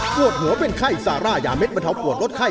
ปวดหัวเป็นไข้ซาร่ายาเด็ดบรรเทาปวดลดไข้